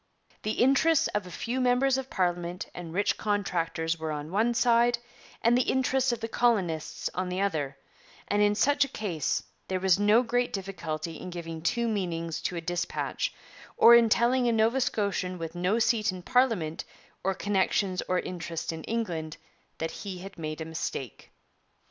'The interests of a few members of parliament and rich contractors were on one side, and the interests of the colonists on the other; and in such a case there was no great difficulty in giving two meanings to a dispatch, or in telling a Nova Scotian with no seat in parliament or connections or interest in England that he had made a mistake.